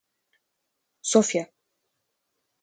Софья